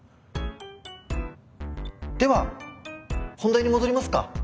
では本題に戻りますか。